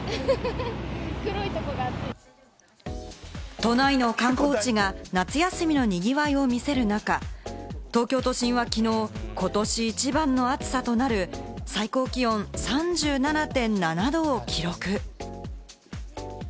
都内の観光地が夏休みの賑わいを見せる中、東京都心はきのう、ことし一番の暑さとなる、最高気温３７．７度を記録。